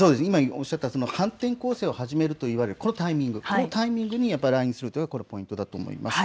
今おっしゃった反転攻勢を始めると言われるこのタイミングで来日するというのがポイントだと思います。